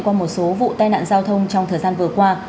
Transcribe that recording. qua một số vụ tai nạn giao thông trong thời gian vừa qua